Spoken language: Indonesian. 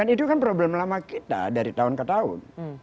itu kan problem lama kita dari tahun ke tahun